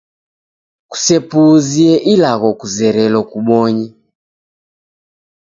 Kusepuzie ilagho kuzerelo kubonye.